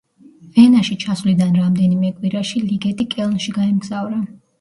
ვენაში ჩასვლიდან რამდენიმე კვირაში ლიგეტი კელნში გაემგზავრა.